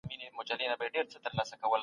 څوک د انلاين درسونو بیاکتنه کوي؟